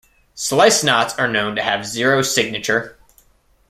Slice knots are known to have zero signature.